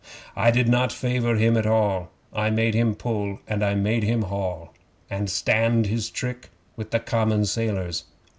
'I did not favour him at all, I made him pull and I made him haul And stand his trick with the common sailors.